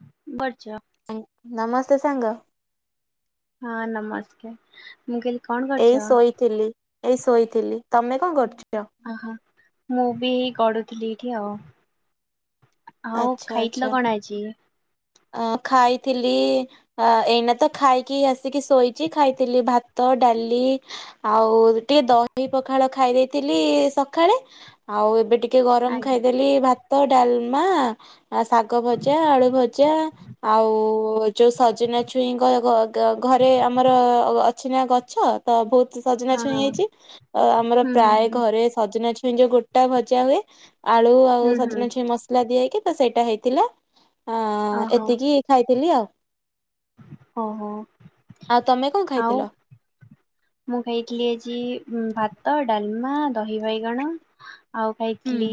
[unintelligible] କରୁଚ? ନମସ୍ତେ ସାଙ୍ଗ ହଁ ନମସ୍କାର ମୁଁ କହିଲି କଣ କରିଛ ଥିଲି ଏଇ ଶୋଇଥିଲି ତମେ କଣ କରୁଛ ଓହୋ ମୁଁ ବି ହେଇ ଗଢୁଥିଲି ଏଇଠି ଆଉ ଆଉ ଆଚ୍ଛା ଖାଇଥିଲ ଆଚ୍ଛା କଣା ଆଜି ଅ ଖାଇଥିଲି ଅ ଏଇନା ତ ଖାଇକି ଆସିକି ଶୋଇଛି ଖାଇଥିଲି ଭାତ ଡାଲି ଆଉ ଟିକେ ଦହିପଖାଳ ଖାଇଦେଇଥିଲି ସକାଳେ ଆଉ ଏବେ ଟିକେ ଟିକେ ଗରମ ଆଜ୍ଞା ଖାଇଦେଲି ଭାତ ଡାଲମା ଶାଗ ଭଜା ଆଳୁ ଭଜା ଆଉ ଯୋଉ ସଜନା ଛୁଇଁଙ୍କ ଘରେ ଆମର ଅଛି ନା ଗଛ ତ ବହୁତ ସଜନା ହଁ ଛୁଇଁ ହଁ ହେଇଛି ଆମର ହୁଁ ପ୍ରାୟ ହୁଁ ଘରେ ସଜନା ଛୁଇଁ ଯୋଉ ଗୋଟ ଟା ଭଜା ହୁଏ ଆଳୁ ଆଉ ହୁଁ ହୁଁ ହୁଁ ସଜନା ଛୁଇଁ ମସଲା ଦିଆହେଇକି ତ ସେଇଟା ହେଇଥିଲା ହଁ ଓହୋ ଏତିକି ଖାଇଥିଲି ଆଉ ଓହୋ ଆଉ ତମେ କଣ ଆଉ ଖାଇଥିଲ ମୁଁ ଖାଇଥିଲି ଆଜି ଭାତ ଡାଲମା ଦହି ବାଇଗଣ ଆଉ ହୁଁ ଖାଇଥିଲି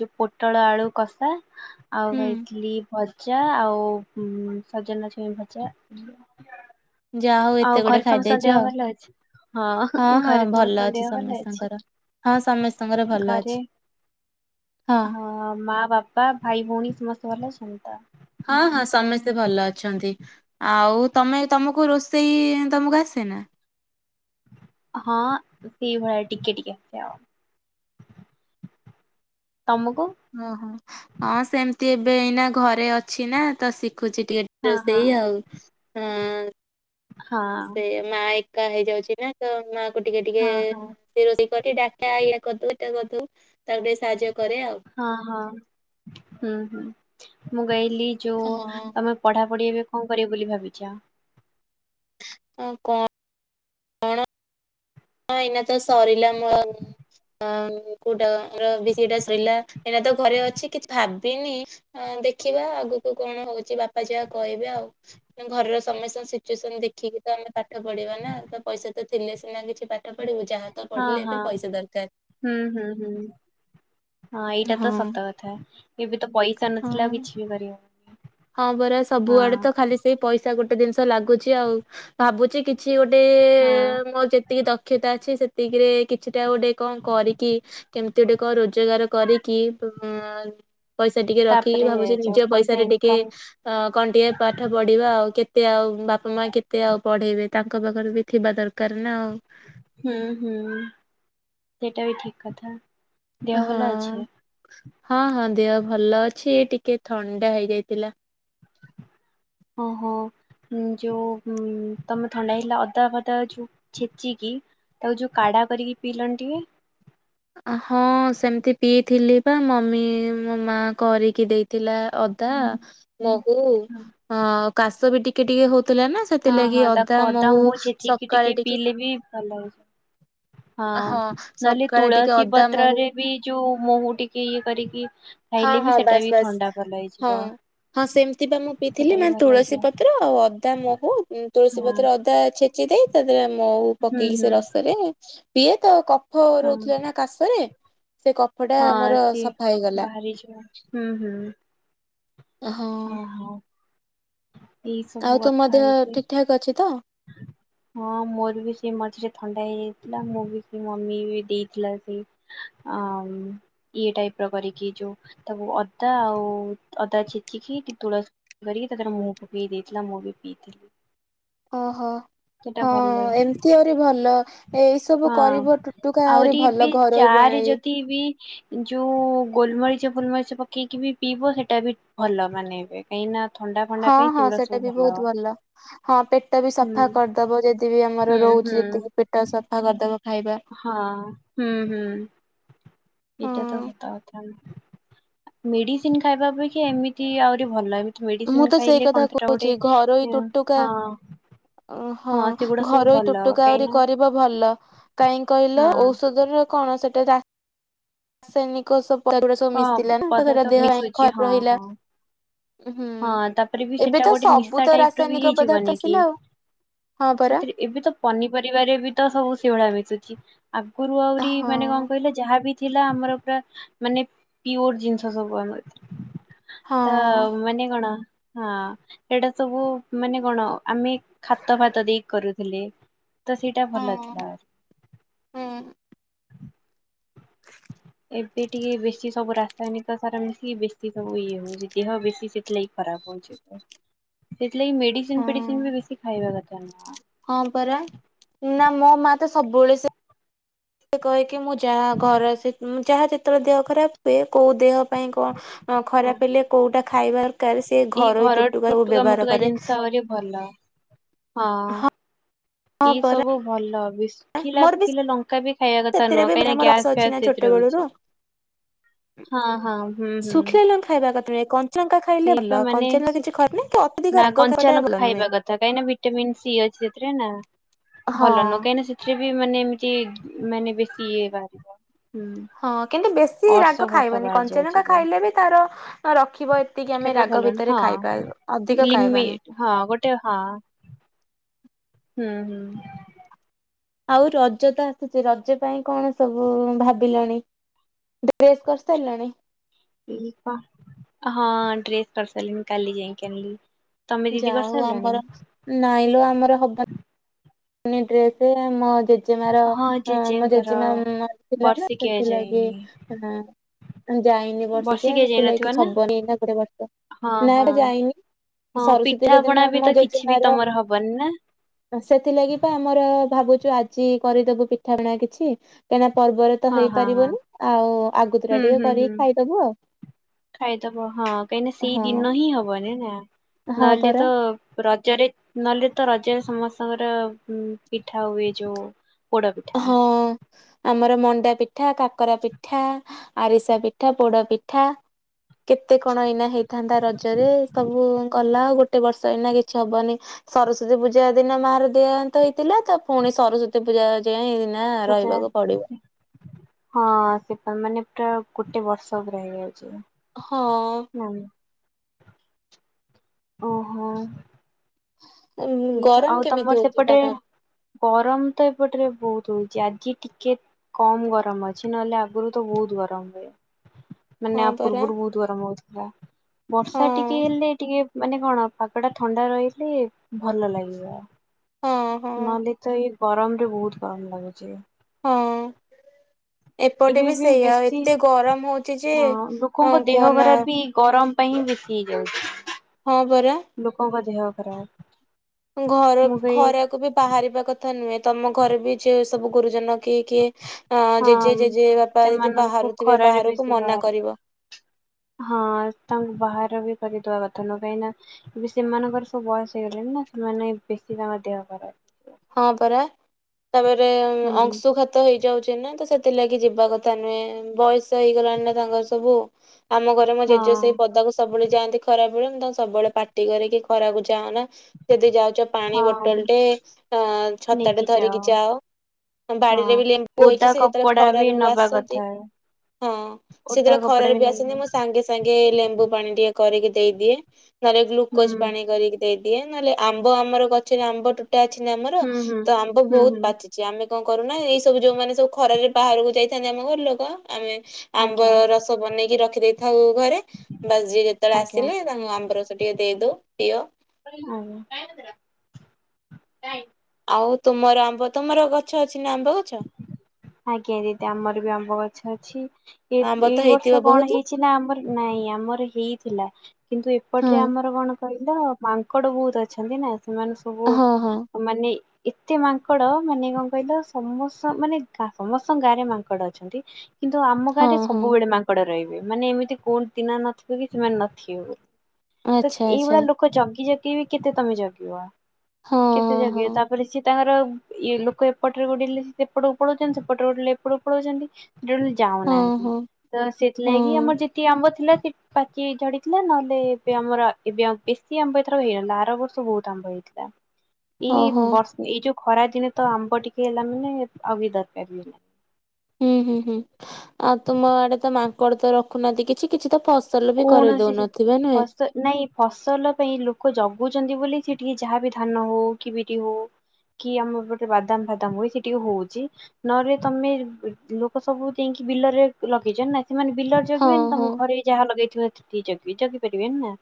ଯୋଉ ପୋଟଳ ଆଳୁ କଷା ଆଉ ହୁଁ ଖାଇଥିଲି ଭ ଭଜା ଆଉ ସଜନା ଛୁଇଁ ଭଜା ଯାହା ହଉ ଆଉ ଏତେ ଗୁଟେ ଘରେ ସମସ୍ତଙ୍କ ଖାଇଦେଇଛ ଦେହ ଆଉ ଭଲ ଅଛି? ହଁ ହଁ ଘରେ ଭଲ ସମସ୍ତଙ୍କ ଅଛି ଦେହ ଭଲ ଅଛି ସମସ୍ତଙ୍କର ହଁ ସମସ୍ତଙ୍କର ଭଲ ଅଛି ହଁ ହ ମା ବାପା ଭାଇ ଭଉଣୀ ସମସ୍ତେ ଭଲ ଅଛନ୍ତି ତ ହଁ ହଁ ସମସ୍ତେ ଭଲ ଅଛନ୍ତି ଆଉ ତମେ ତମକୁ ରୋଷେଇ ତମକୁ ଆସେ ନା ହଁ ସେଇଭଳିଆ ଟିକେ ଟିକେ ଆସେ ଆଉ ତମକୁ ଓହୋ ହଁ ସେମିତି ଏବେ ଏଇନା ଘରେ ଅଛି ନା ତ ଶିଖୁଛି ଟିକେ ହଁ ହଁ ରୋଷେଇ ଆଉ ହଁ ହଁ ସେ ମା ଏକା ହେଇଯାଉଛି ନା ତ ମା କୁ ଟିକେ ଟିକେ ହଁ ହଁ ସେ ରୋଷେଇ କରେ ଡାଲିଟା କରିଦଉ ତାକୁ ଟିକେ ସାହାଯ୍ୟ କରେ ଆଉ ହଁ ହଁ ହଁ ହଁ ମୁଁ କଇଲି ଯୋ ହଁ ତମେ ପଢା ପଢି ଏବେ କଣ କରିବ ବୋଲି ଭାବିଛ ଅ କଣ କଣ ହଁ ଏଇନା ତ ସରିଲା ମ ହଁ କୋଉଟା ବି ସେଇଟା ସଇଲା ଏଇନା ତ ଘରେ ଅଛି କିଛି ଭାବିନି ହଁ ଦେଖିବା ଆଗକୁ କଣ ହଉଛି ବାପା ଯିବା କହିବେ ଆଉ ଘରର ସମସ୍ତଙ୍କ ସିଚୁଏସନ୍ ଦେଖିକି ତ ଆମେ ପାଠ ପଢିବା ନା ତ ପଇସା ତ ଥିଲେ ସିନା କିଛି ପାଠ ପଢିବୁ ଯାହା ତ ହଁ ପଢିଲେ ହଁ ଏବେ ପଇସା ଦରକାର। ହୁଁ ହୁଁ ହୁଁ ହଁ ଏଇଟା ତ ସତ କଥା ଏବେ ତ ପଇସା ନଥିଲା ଆଉ କିଛି ବି କରିହବନି ହଁପରା ସବୁଆଡେ ହଁ ତ ଖାଲି ସେଇ ପଇସା ଗୋଟେ ଜିନିଷ ଲାଗୁଛି ଆଉ ଭାବୁଛି କି କିଛି ଗୋଟେ ହଁ। ମୋର ଯେତିକି ଦକ୍ଷତା ଅଛି ସେତିକିରେ କିଛିଟା ଗୋଟେ କଣ କରିକି କେମିତି ଗୁଟେ କଣ ରୋଜଗାର କରିକି ପଇସା ଟିକେ ରଖି ତାପରେ ଭାବୁଛି ଯୋଉ ନିଜ ପଇସା ପଇସାରେ ଟିକେ ଇନକମ୍ ଅ କଣ ଟିକେ ପା ପାଠ ପଢିବା ଆଉ କେତେ ଆଉ ବାପା ମା କେତେ ଆଉ ପଢେଇବେ ତାଙ୍କ ପାଖରେ ବି ଥିବା ଦରକାର ନା ଆଉ। ହୁଁ ହୁଁ ସେଇଟା ବି ଠିକ କଥା। ଦେହ ହଁ ଭଲ ଅଛି? ହଁ ହଁ ଦେହ ଭଲ ଅଛି ଏ ଟିକେ ଥଣ୍ଡା ହେଇଯାଇଥିଲା। ଓହୋ। ଯୋଉ ତମେ ଥଣ୍ଡା ହେଇଥିଲା ଅଦା ଫଦା ଯୋଉ ଛେଚିକି ତାକୁ ଯୋଉ କାଢା କରିକି ପିଇଲନି ଟିକେ ହଁ ସେମିତି ପିଇଥିଲି ବା ମମି ମୋ ମା କରିକି ଦେଇ ଥିଲା ଅଦା ମହୁ ଅ କାଶ ବି ଟିକେ ଟିକେ ହଉଥିଲା ନା। ହଁ ହଁ ତାକୁ ଅଦା ମହୁ ହଉ ଛେଚି କି ଟିକେ ପିଇଲେ ବି ଭଲ ହେଇ ହଁ ନହେଲେ ସକାଳେ ଟିକେ ତୁଳସୀ ଅଦା ମହୁ ପତ୍ରରେ ବି ଯୋଉ ମହୁ ଟିକେ ଇଏ କରିକି ହଁ ଖାଇଲେ ବି ହଁ ସେଟା ବାସ୍ ବି ବାସ୍ ଥଣ୍ଡା ଭଲହେଇଯିବ। ହଁ ଯିବା ହଁ ସେମିତି ବା ମୁଁ ପିଇଥିଲି ମାନେ ତୁଳସୀ ପତ୍ର ଆଉ ଅଦା ମହୁ ତୁଳସୀ ହଁ ପତ୍ର ଅଦା ଛେ ଚ ଦେଇ ତା ଦେହରେ ମହୁ ହୁଁ ପକେଇକି ସେ ହୁଁ ରସରେ ପିଏ ତ କଫ ର ହଁ କାଶରେ ସେ କଫ ଟା ହଁ ମୋର ସିଏ ସଫା ହେଇଗଲା। ବାହାରିଯିବ ହୁଁ ହୁଁ ହଁ। ଏଇ ଆଉ ତୁମ ଦେହ ଠିକ୍ ଠାକ ଅଛି ତ? ହୁଁ ହଁ ମୋର ବି ସେଇ ମଝିରେ ଥଣ୍ଡା ହେଇଯାଇଥିଲା ମୁଁ ବି ସେ ମମି ଦେଇଥିଲା ସେଇ ଆମ୍ ଇଏ ଟାଇପ ର କରିକି ଯୋଉ ତାକୁ ଅଦା ଆଉ ଅଦା ଛେଚିକି ଟିକ ତୁଳସୀ କରିକି ତାର ମହୁ ପକେଇକି ଦେଇଥିଲା ମୁଁ ବି ପିଇଥିଲି। ଓହୋ ସେଟା ହଁ ଭଲ ଲାଗେ ଏମିତି ଆହୁରି ଭଲ। ଏଇ ସବୁ ହଁ କରିବ ଟୁଟୁକା ଆହୁରି ବି ଭଲ ଚା ଘରୋଇ ରେ ପ୍ରଣାଳୀ। ଯଦି ବି ଯୋଉ ଗୋଲମରିଚ ଫୁଲମରିଚ ପକେଇକି ବି ପିଇବ ସେଇଟା ବି ଭଲ ମାନେ ଏବେ କାହିଁକି ନା ଥଣ୍ଡା ଫଣ୍ଡା ହଁ ପାଇଁ ହଁ ସେଗୁଡା ସେଟା ସବୁ ବି ବହୁତ ଭଲ ହଁ ପେଟ ବି ହୁଁ ସଫା କରି ଦବ ଯଦି ବିି ହୁଁ ଆମର ହୁଁ ରହୁଛି ଯେତିକି ପେଟ ସଫା କରିଦବ ଖାଇବା। ହଁ ହୁଁ ହୁଁ ଏଟ ହଁ ସତ କଥା। ମେଡିସିନ ଖାଇବା ଅପେକ୍ଷ ଏମିତି ଆହୁରି ଭଲ। ମୁଁ ମେଡିସିନ୍ ତ ସେଇ ଖାଇଲେ କଥା କଣ ଦି ଟା ଗୋଟେ କହୁଛି ଘରୋଇ ହୁଁ ଟୁଟୁକା ହଁ। ହଁ ସେଗୁଡା ସବୁ ଘରୋଇ ଭଲ ଟୁଟୁକା କାହିଁ ଆହୁରି ନା କରିବ ଭଲ କାଇହିଁ କହିଲ ଔଷଧରେ କଣ ସେଟା ରା ରାସାୟନିକ ସବ୍ ପ କଣ ମିଶିଥିଲା ନା ତ ସେଇଟା ପଦାର୍ଥ ଦେହ ପାଇଁ ମିଶୁଛି ଖରା ହଁ ରହିଲା। ହଁ ହୁଁ ହଁ ତାପରେ ବି ଏବେ ସେଟା ତ ଗୋଟେ ସବୁ ନିଶା ତ ଟାଇପ ର ବି ରାସାୟନିକ ହେଇଯିବ ପଦାର୍ଥ ନି କି ଆସିଲା ଆଉ ହଁ ପରା ସେଥିରେ ଏବେ ତ ପନିପରିବାରେ ବି ତ ସବୁ ଶିଭଳି ମିଶୁଛି ଆଗରୁ ଆହୁରି ହଁ ମାନେ କଣ କହିଲା ଯାହାବ ଥିଲା ଆମର ପୁରା ମାନେ ପିଓର ଜିନିଷ ସବୁ ଆମର ଏଥିରେ। ତା ହଁ ମାନେ କଣ ହଁ। ସେଇଟା ସବୁ ମାନେ କଣ ଆମେ ଖାତ ଫାତ ଦେଇକି କରୁଥିଲେ। ତ ସେଇଟା ଭଲ ଥିଲା। ହୁଁ। ଏବେ ଟିକେ ବେଶୀ ସବୁ ରାସାୟନିକ ସାର ମିଶିକି ବେଶୀ ସବୁ ଇଏ ହେଉଛି ଦେହ ବେଶୀ ସେଥିଲାଗି ଖରାପ ହେଉଛି। ସେଥିଲାଗି ହଁ ମେଡିସିନ ଫେଡିସିନ ବି ବେଶୀ ଖାଇବା କଥା ନୁହଁ। ହଁ ପରା ନା ମୋ ମା ତ ସବୁବେଳେ ସେ ସେ କହିକି ମୁଁ ଯାହା ଘର ଯାହା ଯେତେଳେ ଦେହ ଖରାପ ହୁଏ କୋଉ ଦେହ ପାଇଁ କଣ? [unintelligible] ହଁ। ଖରାପ୍ ହେଲେ କୋଉଟା ଖାଇବା ଦରକାର୍ ସେ ଏଇ ଘରୋଇ ଘର ତୁଟୁକା ସବୁ ଟୁଟୁକା ବ୍ୟବହାର ମୁଟୁକା କରେ ଜିନିଷ ଆହୁରି ଭଲ ହଁ। ହଁ ଏଇ ପରା ସବୁ ଭଲ ବି ଖିଲା ମୋର ବି ଫୁଖିଲା ଲଙ୍କାବି ଖାଇବା କଥା ସେଥିରେ ନୁହଁ ବି କାହିଁକିନା ଆମର ଅଭ୍ୟାସ ଗ୍ୟାସ୍ ଅଛି ନା ଫ୍ୟାସ ଛୋଟ ସେଥିରେ ବେଳରୁ ହଉଚି। ହଁ ହଁ ହୁଁ ହୁଁ। ଶୁଖିଲା ଲଙ୍କା ଖାଇବା କଥା ନୁହେ କଞ୍ଚା ଲଙ୍କା ଖାଇଲେ ସେଇ ପା ଭଲ ମାନେ କଞ୍ଚା ଲଙ୍କା ଶୁ କିଛି ଖାଉନି ତ ନା ଅତିରିକ୍ତ କଞ୍ଚା ଖବାଟା ଲଙ୍କା ଭଲ କଥା ନୁହେଁ। ଖାଇବା କାହିଁକିନା ଭିଟାମନ୍ ସି ଅଛି ସେଥିରେନା ଭଲୁ ହଁ ନୁହଁ କାହିଁି ସେ ଥିରେବି ମାନେ ଏମିତି ମାନେ ବେଶୀ ଇଏ ବାହାରିବ। ହୁଁ ହଁ କିନ୍ତୁ ବେଶୀ ଅର୍ଷ ରାଗ ଫର୍ଷ ଖାଇବନି ବାହାରି ଯାଉଛି କଞ୍ଚାନଙ୍କା ଏବେ ଖାଇଲେବି ତାର ରଖିବ ସେତିକି ଆମେ କେବେ ରାଗ ଭଲ ଭିତରେ ନୁହଁ। ଖାଇବା ହଁ ଅଧିକ ଲିମି ଖାଇବାନି। ହଁ ଗୋଟେ ହଁ ହୁଁ ହୁଁ। ଆଉ ରଜତ ଆସୁଚି ରଜ ପାଇଁ କଣ ସବୁ ଭାବିଲଣି? ଡ୍ରେସ୍ କରିସାରିଲଣି? ହଁ ଡ୍ରେସ୍ କରିସାରିଲିଣି କାଲି ଯାଇକି ଆଣିଲି। ତମେ ଯା ଦିଦି ହଉ କରିସାରିଲଣି? ଆମର ନାଇଁଲୋ ଆମର ହବ ଡ୍ରେସ୍ ମୋ ଜେ ଜେଜେମାର ହଁ ମୋ ଜେଜେଙ୍କର ଜେଜେମା ମରିଥିଲାନା ବର୍ଷିକିଆ ସେଥିଲାଗି ଯାଇନି। ଯାଇନି ବର୍ସିକିଆ ବର୍ଷିକିଆ ଯାଇନଥିବ ସେଥିଲାଗି ନା ହବନି ଗୋଟେ ବର୍ଷ ହଁ ହଁ ନାଏଟା ଯାଇନି। ହଁ ସରସ୍ଵତୀ ପିଠା ପଣା ଯଉଦିିନ ବି ମୋ ତ କିଛି ବି ଜେଜେମାର ତମର ହବନି ନା ସେଥିଲାଗିପା ଆମର ଭାବୁଚୁ ଆଜି କରିଦବୁ ପିଠା ପଣା କିଛି କାହିଁକିନା ପର୍ବରେ ତ ହଁ ହଁ ହଁ ହେଇପାରିବନି ଆଉ ଆଗତୁରା ହୁଁ ଟିକେ ହୁଁ କରିକି ହୁଁ ଖାଇଦବୁ ଆଉ। ଖାଇଦବ ହଁ କାହିଁକିନା ସେଇ ହଁ ଦିନହିଁ ହବନିନା ହଁ ନହେଲେ ପରା ତ ରଜରେ ନହେଲେତ ରଜରେ ସମସ୍ତଙ୍କର ପିଠା ହୁଏ ଯୋଉ ପୋଡ ପିଠା। ହଁ। ଆମର ମଣ୍ଡା ପିଠା କାକରା ପିଠା ଆରିସା ପିଠା ପୋଡ଼ ପିଠା କେତେ କଣ ଏଇନା ହେଇଥାନ୍ତା ରଜରେ ସବୁ ଗଲା ଆଉ ଗୋଟେ ବର୍ଷ ଏଇନା କିଛି ହବନି ସରସ୍ଵତୀ ପୂଜା ଦିନ ମାର ଦେହାନ୍ତ ହେଇଥିଲା ତପୁଣି ସରସ୍ଵତୀ ପୂଜା [unintelligible] ନାଁ [unintelligible] ହଁ ସେଟା ମାନେ ପୁରା ଗୋଟେ ବର୍ଷ ପୁରା ହେଇଯାଉଚି ହଁ। ହଉ। ଓହୋ। [unintelligible] ଗରମ ଆଉ କେମିତି ତମର ହଉଛି ସେପଟରେ ତମ ଗରମତ ଏପଟରେ ବହୁତ୍ ହଉଚି ଆଜି ଟିକେ କମ୍ ଗରମ୍ ଅଛି ନହେଲେ ଆଗରୁତ ବହୁତ୍ ଗରମ୍ ହୁଏ। ମାନେ ହଁ ଆ ପରା ପୂର୍ବରୁ ବହୁତ୍ ଗରମ୍ ହଉଥିଲା। ବର୍ଷା ହଁ। ଟିକେ ହେଲେ ଟିକେ ମାନେ କଣ ପାଗଟା ଥଣ୍ଡାରହିଲେ ଭଲଲାଗିବ। ହଁ ହଁ ନହେଲେତ ଏଇ ଗରମରେ ବହୁତ୍ ଗରମ୍ ଲାଗୁଚି। ହଁ ଅଁ। ଏବେ ଏପଟେବି ବି ସେଇଆ ଆଉ ବେଶୀ ଏତେ ଗରମ୍ ହଉଚିଯେ କୁହନା ଗରମ୍ପାଇଁ ହିଁ ବେଶି ହେଇଯାଉଚି। ହଁ ପରା। ଲୋକୋଙ୍କ ଦେହ ଖରାପ୍ ଘର ଖରାକୁବି ବାହାରିବା କଥାନୁହେଁ ତମ ଘରେବି ଯଉ ସବୁ ଗୁରୁଜନ କିଏ କିଏ ହଁ ଜେଜେ ଜେଜେବାପା ଯଦି ସେମାନଙ୍କୁ ବାହାରୁଥିବେ ଖରାରେ ବାହାରକୁ ବେଶୀ ବାହାର ମନାକରିବ। ହଁ ତାଙ୍କୁ ବାହାର ବି କରିଦବାକଥା ନୁହେଁ କାଇଁ ନା ଏବେ ସେମାନଙ୍କର ସବୁ ବୟସ ହେଇଗଲେଣି ନା ସେମାନେ ବେଶୀ ତାଙ୍କର ଦେହଖରାପ୍। ହଁ ପରା ତାପରେ ହୁଁ ଅଂଶୁଘାତ୍ ତ ହେଇଯାଉଚି ନା ତ ସେଥିଲାଗି ଯିବାକଥା ନୁହେଁ ବୟସ୍ ତ ହେଇଗଲାଣି ନା ତାଙ୍କର ସବୁ ଆମ ଘରେ ମୋ ଜେଜେ ହଁ ସେଇ ପଦାକୁ ସ ସବୁବେଳେ ଯାଆନ୍ତି ଖରା ବଳେ ମୁଁ ତାଙ୍କୁ ସବୁବେଳେ ପାଟି କରେକି ଖରାକୁ ଯାଅନା। ଯଦି ଯାଉଚ ପାଣି ବୋଟଲ୍ ହଁ ଟେ ଅଁ ଛତାଟେ ଧରିକି ଯାଅ। ହଁ ବାଡିରେବି ଲେମ୍ବୁ ହେଇଚି ଓଦା ସେ ଯେତେବେଳେ କପଡା ବି ଖରାରୁ ନବା ଆସନ୍ତି କଥା ହଁ ସେ ଓଦା ଯେତେଳେ କପଡା ଖରାରୁ ବି ଆସନ୍ତି ନେଇକି ମୁଁ ସାଙ୍ଗ୍ ସାଙ୍ଗେ ସାଙ୍ଗେ ଲେମ୍ବୁ ପାଣି ଟିକେ କରିକି ଦେଇଦିଏ ନହଲେ ଗ୍ଲୁକୋଜ ହୁଁ ପାଣି କରିକି ଦେଇଦିଏ ନହେଲେ ଆମ୍ବ ଆମର ଗଛରେ ଆମ୍ବ ଟୋଟା ଅଛି ନା ଆମର ହୁଁ ହୁଁ ତ ଆମ୍ବ ହୁଁ ବହୁତ୍ ହୁଁ ପାଚି ଚି ଆମେ କଣକରୁନା ଏଇସବୁ ଯୋଉମାନେସବୁ ଖରାରେ ବାହାରକୁ ଯାଇଥାନ୍ତି ଆମଘରଲୋକ ଆମେ ଆଜ୍ଞା ଆମ୍ବରସ ବନେଇକି ରଖିଦେଇଥାଉଘରେ ବା ଯିଏଯେତେବେଳେ ଆଜ୍ଞା ଆସିଲେ ତାଙ୍କୁ ଆମ୍ବରସ ଟିକେ ଦେଇଦଉ ପିଅ। [inaudible] ଆଉ ତୁମର ଆମ୍ବ ତମର ଗଛ ଅଛି ନା ଆମ୍ବ ଗଛ? ଆଜ୍ଞାଦିଦି ଆମରବି ଆମ୍ବ ଗଛଅଛି। ଏ ଆମ୍ବ ଏଇ ତ ହେଇଥିବ ବର୍ଷକଣ ବହୁତ। ହେଇଚି ନା ଆମର ନାଇଁ ଆମର ହେଇଥିଲା। କିନ୍ତୁ ହଁ ଏପଟରେ ଆମର କଣ କହିଲ ମାଙ୍କଡ ବହୁତ୍ ଅଛନ୍ତି ନା ସେମାନେସବୁ ହଁ ହଁ ମାନେ ଏତେମାଙ୍କଡ ମାନେ କଣକହିଲ ସମସ୍ତ ମାନେ ଗା ସମସ୍ତଙ୍କ ଗାଁରେ ମାଙ୍କଡଅଛନ୍ତି। କିନ୍ତୁ ହଁ ଆମଗାଁରେ ହଁ ସବୁବେଳେ ମାଙ୍କଡରହିବେ ମାନେ ଏମିତି କୋଉ [inaudible] ଆଚ୍ଛା ଆଚ୍ଛା ଦେଖ ଜଗି ଜଗି ବିକେତେ ତମେ ଜଗିବ ହଁ କେତେ ହଁ ହଁ। ଯଗିବ ତା ପରେ ସିଏତାଙ୍କର ଇଏ ଲୋକ ଏପଟ୍ ପଟରେ ଗୋଡେଇଲେ ସେପଟକୁ ପଳଉଚନ୍ତି ସେପଟରେ ଗୋଡେଇଲେ ଏପେଟକୁ ପଳଉଚନ୍ତି। ଯୋ ହଁ ଯାଉନାହାନ୍ତି ହଁ ତ ସେଥିଲାଗି ହଁ ଆମର ଯେତ୍ ଦେଶି ଆମ୍ବ ଥିଲା ସେ ପାଚି ଝଡିଥିଲା ନହେଲେ ଏବେ ଆମର ଏବେ ବେଶୀ ଆମ୍ବ ଏଥର ହେଇଗଲା ଆର ବର୍ଷ ବହୁତ୍ ତ ଆମ୍ବ ହେଇଥିଲା। ଓହୋ ଏଇ ବର୍ଷ ଏଇ ଯୋଉଖରା ଦିନେ ତ ଆମ୍ବଟିକେ ହେଲା ମାନେ ଆଉ ବି ଦରକାର୍ ନାଇଁ। ହୁଁ ହୁଁ ହୁଁ ଆଉ ତୁମଆଡେ ତ ମାଙ୍କଡତ ରଖୁନାହାନ୍ତି କିଛି କିଛି ତ ଫସ୍ ସଲବି କରେଇଦଉ ନଥିବେ ନୁହେଁ? ତ ନାଇଁ ଫସଲ ପାଇଁ ଲୋକ ଜଗୁଚନ୍ତି ବୋଲି ସେଟିକେ ଯାହାବି ଧାନ ହଉ କି ବିରି ହଉ କି ଆମପଟେ ବାଦାମ୍ ଫାଦାମ୍ ହୁଏ ସେ ଟିକେ ହଉଚି। ନହରେ ତମେ ଲୋକ ସବୁଯାଇଁକି ବିଲରେ ଲଗେଇଚ ନା ସେମାନେ ବିଲ ହଁ ଜଗିବେନି ହଁ ତମ ଘରେ ଯାହା ଲଗେଇଥିବ ସେତିକି ଜଗିବି ଜଗି ପାରିବେନିନା।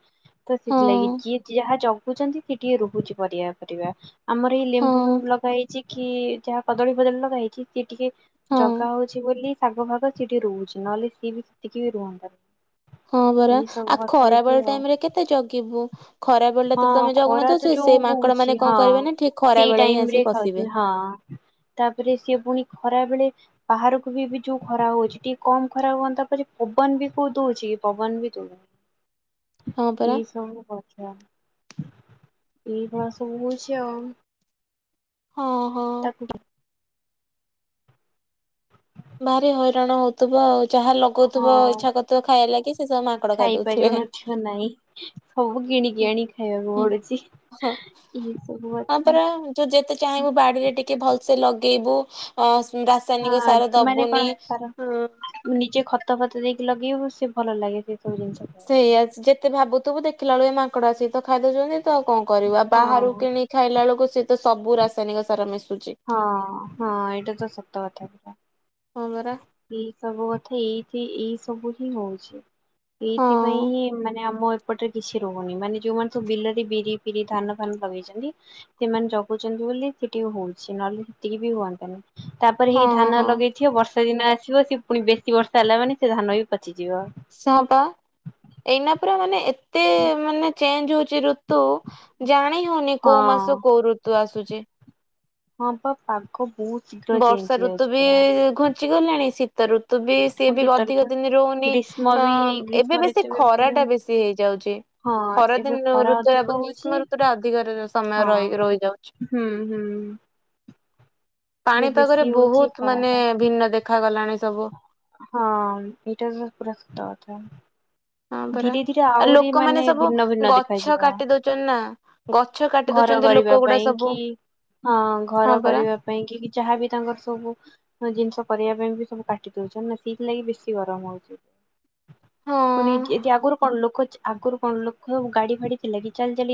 ତ ହଁ ସେଥିଲାଗି ଯିଏ ଯାହା ଜଗୁଚନ୍ତି ସିଏ ଟିକେ ରହୁଚି ପରିବା ଫରିବା। ଆମର ଏଇ ଲେମ୍ବୁ ହଁ ଫେମ୍ବୁ ଲଗା ହେଇଚି କି ଯାହା କଦଳୀ ବଦଳୀ ଲଗା ହେଇଚି ସିଏ ଟିକେ ହଁ ଜଗା ହଉଚି ବୋଲି ଶାଗ ଫାଗ ସିଏ ଟିକେ ରହୁଚି ନହେଲେ ସିଏ ବି ସେତିକି ବି ରୁହନ୍ତାନି। ହଁ ପରା ଏଇ ସବୁ ଆଉ କଥା ଦିଦି ଖରାବେଳ ଆଉ ଟାଇମ ରେ କେତେ ଜଗିବୁ ଖରା ବେଳେ ଟା ତ ହଁ ତମେ ଖରା ଜଗୁନଥିବ ସେ ଯୋଉ ସେ ମାଙ୍କଡ ହଉଛି ମାନେ କଣ ହଁ କରିବେ ନା ଠିକ ଖରା ସେଇ ବେଳେ ହିଁ ଆସି ଟାଇମରେ ପଶିବେ ଖାଉଛନ୍ତି ହଁ। ତାପରେ ସିଏ ପୁଣି ଖରା ବେଳେ ବାହାରକୁ ବି ବି ଯୋଉ ଖରା ହଉଚି ଟିକେ କମ ଖରା ହୁଅନ୍ତା ପରେ ପବନ ବି କୋଉ ଦଉଚି କି? ପବନ ବି ତ ହଁ ପରା ଏଇ ସବୁ କଥା। ଏଇ ଭଳିଆ ସବୁ ହଉଚି ଆଉ। ଓହୋ। ତାକୁ ଭାରି ହଇରାଣ ହଉଥିବ ଆଉ ଯାହା ଲଗଉଥିବ ଇଛା କରୁଥିବ ଖାଇବା ଲାଗି ସେ ସବୁ ମା ଖାଇପାରିବନଛ ନାଇଁ ସବୁ କିଣିକି ହୁଁ ଆଣିକି ଖାଇବାକୁ ହୁଁ ପଡୁଛି। ଏଇ ସବୁ କଥା। ତ ଯେତେ ଚାହିଁବୁ ବାଡିରେ ଟିକେ ଭଲସେ ଲଗେଇବୁ ରାସାୟନିକ ସାର। ହଁ ମାନେ କଣ ଦବୁନି ତାର ହୁଁ। ନିଜେ ଖତ ଫତ ଦେଇକି ଲଗେଇବ ସେ ଭଲ ଲାଗେ ସେ ସବୁ ଜିନିଷ। ଖାଇବା ପାଇଁ ସେଇଆଛି ଯେତେ ଭାବୁଥିବୁ ଦେଖିଲା ବେଳୁ ଏ ମାଙ୍କଡା ଆସିକି ତ ଖାଇଦଉଛନ୍ତି ତ ଆଉ କଣ କରିବୁ ବାହାରୁ ହଁ। କିଣିିକ ଖାଇଲା ବେଳକୁ ସ ତ ସବୁ ରାସାୟନିକ ସାର ମିଶୁଛି। ହଁ ହଁ ଏଇଟା ତ ସତ କଥା ପୁରା। ହଁ ପରା। ଏଇ ସବୁ କଥା ଏଇଠି ଏଇ ସବୁ ହିଁ ହଉଛି। ହଁ ଏଇଥିପାଇଁ ମାନେ ଆମ ସେପଟରେ କିଛି ରହୁନି ମାନେ ଯୋଉମାନେ ସବୁ ବିଲରେ ବିରି ଫିରି ଧାନ ଫାନ ଲଗେଇଛନ୍ତି। ସେମାନେ ଜଗୁଛନ୍ତି ବୋଲି ସେଠି ହଉଛି ନହେଲେ ସେତିକି ବି ହୁଅନ୍ତତାନି। ତାପରେ ହଁ ହେଇ ଧାନ ହଁ ଲଗେଇଥିବ ବର୍ଷା ବର୍ଷା ଦିନ ଆସିବ ସେ ପୁଣି ବେଶୀ ବର୍ଷା ହେଲା ମାନେ ସେ ଧାନ ବି ପଚିଯିବ। ସା ପା ଏଇନା ପୁରା ମାନେ ଏତେ ମାନେ ଚେଞ୍ଜ ହଉଛି ଋତୁ ଜାଣି ହଉନି କୋଉ ହଁ ମାସ କୋଉ ଋତୁ ଆସୁଛି। ହଁ ବା ପାଗ ବହୁତ ଶୀଘ୍ର ଚେଞ୍ଜ ବର୍ଷା ଋତୁ ହେଇଯାଉଛି ବି ପୁରା ଘୁଞ୍ଚି ଗଲାଣି ଶୀତ ତ ଋତୁ ବି ସିଏ ପୁଣି ବି ଶୀତ ଅଧିକ ଋତୁ ଦିନ ରହୁନି ଗ୍ରୀଷ୍ମ ଅ ବି ହେଇ ଗ୍ରୀଷ୍ମ ଏବେ ବେଶୀ ଋତୁ ବି ଖରା ପୁଣି ଟା ବେଶୀ ହେଇଯାଉଛି। ହଁ ଏବେ ଖରାଦିନ ଖରା ଋତୁରେ ଅଧିକ ଗ୍ରୀଷ୍ମ ହଉଛି ଋତୁରେ ଅଧିକ ସମୟ ହଁ। ରହି ରହିଯାଉଛି। ହୁଁ ହୁଁ। ଏବେ ପାଣିପାଗରେ ବେଶୀ ହଉଛି ବହୁତ ଖରା ମାନେ ଟା ଭିନ୍ନ ଦେଖାାଗଲାଣି ସବୁ। ହଁ ଏଇଟା ତ ପୁରା ସତ କଥା। ହଁ ପରା। ଧୀରେ ଧୀରେ ଆଉ ଆହୁରି ମାନେ ଲୋକମାନେ ସବୁ ଭିନ୍ନ ଭିନ୍ନ ଗଛ ଦେଖାଯିବ। କାଟି ଦଉଛନ୍ତି ନା। ଗଛ କାଟି ଘର ଦଉଛନ୍ତି କରିବା ଲୋକ ଗୁଡା ପାଇଁ ସବୁ କି ହଁ ହଁ ଘର ପରା କରିବା ପାଇଁ କି ଯାହାବି ତାଙ୍କର ସବୁ ହଁ ଜିନିଷ କରିବା ପାଇଁ ବି ସବୁ କାଟି ଦଉଛନ୍ତି ନା ସେଇଥିଲାଗି ବେଶୀ ଗରମ ହଉଛି। ପୁଣି ହଁ। ଯଦି ଆଗରୁ କଣ ଲୋକ ଆଗରୁ କଣ ଲୋକ ସବୁ ଗାଡି ଫାଡି ଥିଲା କି ଚାଲି ଚାଲି